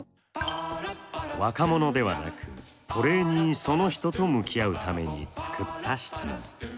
若者ではなくトレーニーその人と向き合うために作った質問。